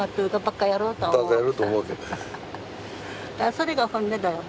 それが本音だよ。